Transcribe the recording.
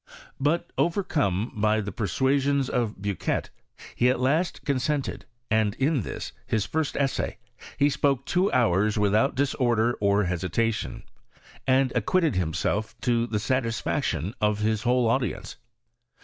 But, overcome by the persuasions of Bucquet, he at last consented : and in this, his first essay, he spoke two hours without disorder or hesita tion, and acquitted himself to the satisfaction of his whole audience.